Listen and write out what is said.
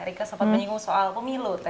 rike sempat menyinggung soal pemilu